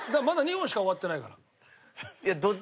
まだ２本しか終わってないから。